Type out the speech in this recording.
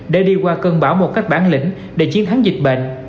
để đi qua cơn bão một cách bản lĩnh để chiến thắng dịch bệnh